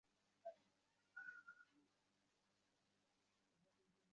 তিনি উকিল সত্যনাথ বরার অধীনে আর্টিকেল ক্লার্ক রুপে উকালতিতে যোগদান দিয়েছিলেন।